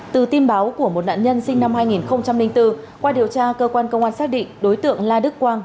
từ tin báo của một nạn nhân sinh năm hai nghìn bốn qua điều tra cơ quan công an xác định đối tượng la đức quang